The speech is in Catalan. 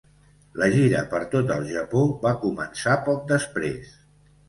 La gira per tot el Japó va començar poc després.